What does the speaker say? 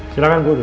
silahkan bu duduk